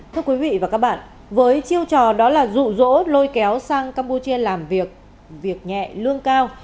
thưa quý vị và các bạn với chiêu trò đó là rụ rỗ lôi kéo sang campuchia làm việc việc nhẹ lương cao